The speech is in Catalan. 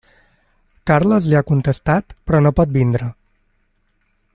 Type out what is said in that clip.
Carles li ha contestat, però no pot vindre.